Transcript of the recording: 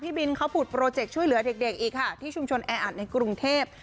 บินเขาผุดโปรเจคช่วยเหลือเด็กอีกค่ะที่ชุมชนแออัดในกรุงเทพ